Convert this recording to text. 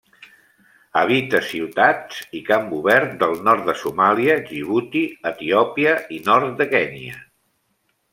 Habita ciutats i camp obert del nord de Somàlia, Djibouti, Etiòpia i nord de Kenya.